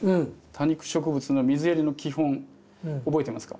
多肉植物の水やりの基本覚えてますか？